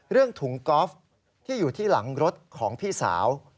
ถุงกอล์ฟที่อยู่ที่หลังรถของพี่สาว